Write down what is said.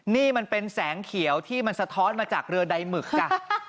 นี่มันเป็นแสงเขียวที่มันสะท้อนมาจากเรือใดหมึกจ้ะ